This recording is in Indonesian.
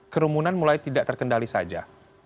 kerumunan mulai tidak terkendali saja